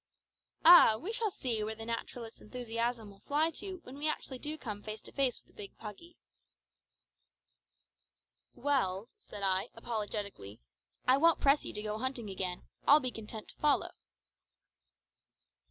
"Ah! we shall see where the naturalist's enthusiasm will fly to when we actually do come face to face with the big puggy." "Well," said I, apologetically, "I won't press you to go hunting again; I'll be content to follow."